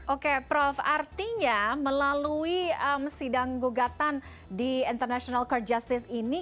oke prof artinya melalui sidang gugatan di international court justice ini